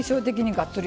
がっつり！